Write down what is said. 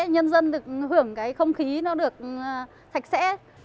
nhân dân được hưởng cái không khí nó được sạch sẽ